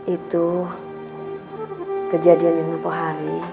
itu kejadian yang ngepo hari